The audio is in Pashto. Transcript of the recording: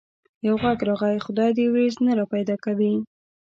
يو غږ راغی: خدای دي وريځ نه را پيدا کوي.